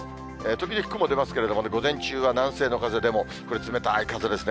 時々雲出ますけれどもね、午前中は南西の風、でもこれ冷たい風ですね。